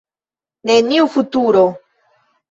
Neniu futuro.